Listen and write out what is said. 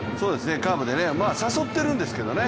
カーブでね、誘ってるんですけどね。